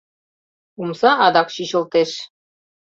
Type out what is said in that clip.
Омса адак чӱчылтеш.